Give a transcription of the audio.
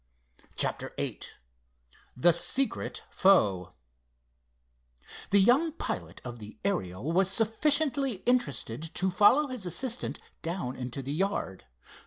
CHAPTER VIII THE SECRET FOE The young pilot of the Ariel was sufficiently interested to follow his assistant down into the yard.